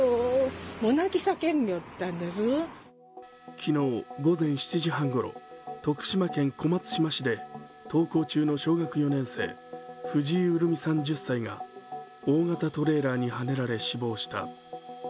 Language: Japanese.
昨日、午前７時半ごろ徳島県小松島市で登校中の小学４年生藤井潤美さん１０歳が大型トレーラーにはねられ死亡した。